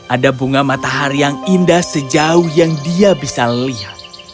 ada bunga matahari yang indah sejauh yang dia bisa lihat